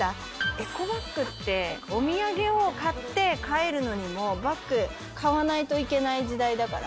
エコバッグって、お土産を買って帰るのにも、バッグ買わないといけない時代だから。